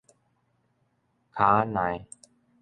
坩仔賴